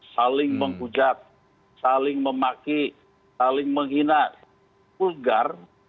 saling menghujat saling memaki saling menghina pulgar